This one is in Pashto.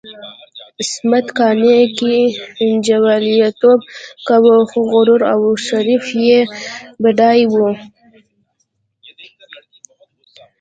عصمت قانع که جواليتوب کاوه، خو غرور او شرف یې بډای وو.